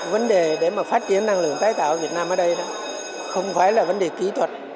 vấn đề để mà phát triển năng lượng tái tạo ở việt nam ở đây đó không phải là vấn đề kỹ thuật